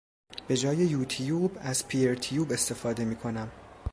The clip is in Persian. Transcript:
به جای یوتیوب از پیرتیوب استفاده میکنم